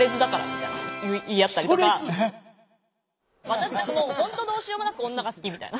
私たちもう本当どうしようもなく女が好きみたいな。